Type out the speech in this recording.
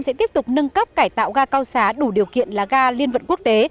sẽ tiếp tục nâng cấp cải tạo ga cao xá đủ điều kiện là ga liên vận quốc tế